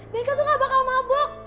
nika tuh gak bakal mabuk